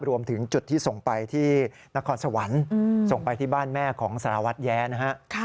รวมถึงจุดที่ส่งไปที่นครสวรรค์ส่งไปที่บ้านแม่ของสารวัตรแย้นะฮะ